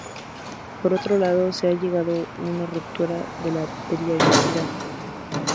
Por otro lado, se ha llegado a una ruptura de la periodicidad.